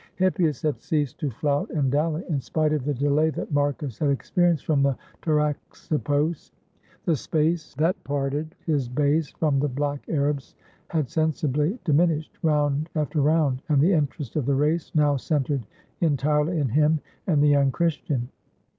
Hippias had ceased to flout and dally. In spite of the delay that Marcus had experienced from the Taraxippos, 503 ROME the space that parted his bays from the black Arabs had sensibly diminished, round after round; and the interest of the race now centered entirely in him and the young Christian.